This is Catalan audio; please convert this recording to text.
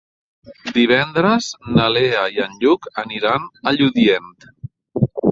Divendres na Lea i en Lluc aniran a Lludient.